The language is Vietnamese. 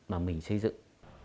mà mình xây dựng